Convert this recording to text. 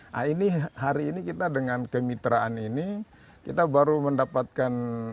nah ini hari ini kita dengan kemitraan ini kita baru mendapatkan